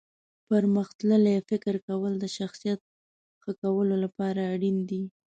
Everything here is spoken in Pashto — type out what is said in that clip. پرمختللي فکر کول د شخصیت ښه کولو لپاره اړین دي.